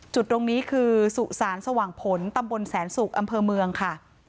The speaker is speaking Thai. จุดตรงนี้คือสุสานสว่างผลตำบลแสนสุกอำเภอเมืองค่ะ